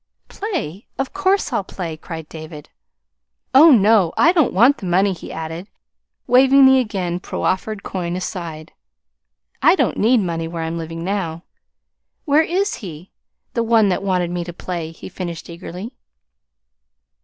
"Play? Of course I'll play" cried David. "Oh, no, I don't want the money," he added, waving the again proffered coin aside. "I don't need money where I'm living now. Where is he the one that wanted me to play?" he finished eagerly.